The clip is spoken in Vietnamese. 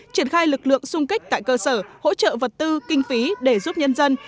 triển khai lực lượng xung kích tại cơ sở hỗ trợ vật tư kinh phí để giúp nhân dân